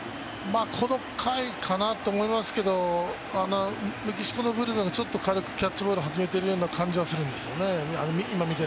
この回かなと思いますけど、メキシコのブルペンが軽くキャッチボール始めているような感じがしますね。